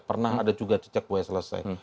pernah ada juga jejak buaya selesai